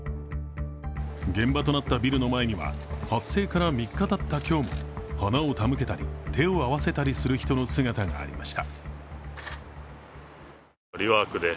現場となったビルの前には発生から３日たった今日も花を手向けたり、手を合わせたりする人の姿がありました。